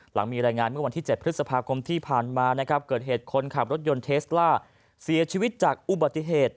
หลังมีรายงานเมื่อวันที่๗พฤษภาคมที่ผ่านมานะครับเกิดเหตุคนขับรถยนต์เทสล่าเสียชีวิตจากอุบัติเหตุ